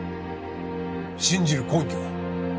信じる根拠は？